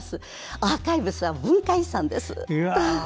アーカイブスは文化遺産です。